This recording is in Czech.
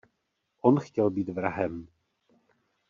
On chtěl být vrahem.